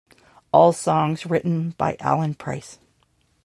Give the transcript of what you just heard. All songs written by Alan Price.